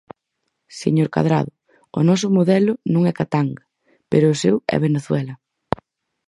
Señor Cadrado, o noso modelo non é Katanga, pero o seu é Venezuela.